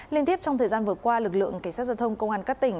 liên tiếp trong thời gian vừa qua lực lượng cảnh sát giao thông công an các tỉnh